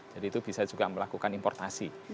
jadi itu bisa juga melakukan importasi